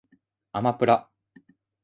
あまぷら